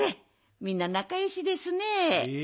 みんななかよしですねえ。